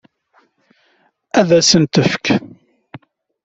Ad s-tent-tefk?